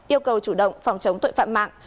yêu cầu chủ động phòng chống tội phạm mạng